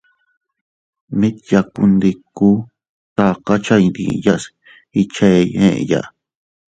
Mit yakundiku, takacha iydiyas ichey eeya.